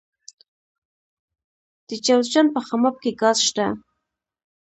د جوزجان په خماب کې ګاز شته.